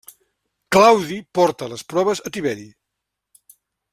Claudi porta les proves a Tiberi.